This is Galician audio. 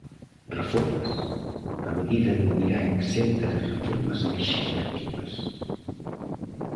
Reformas: A medida non virá exenta de reformas lexislativas.